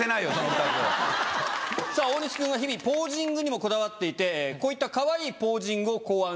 さぁ大西くんは日々ポージングにもこだわっていてこういったかわいいポージングを考案しているということです。